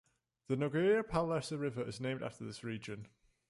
The Noguera Pallaresa river is named after this region.